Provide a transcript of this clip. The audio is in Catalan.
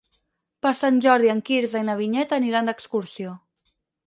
Per Sant Jordi en Quirze i na Vinyet aniran d'excursió.